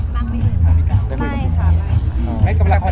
แม็กซ์ก็คือหนักที่สุดในชีวิตเลยจริง